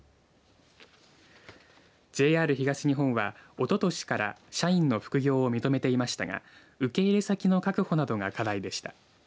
ＪＲ東日本はおととしから社員の副業を認めていましたが受け入れ先の確保などが課題でした。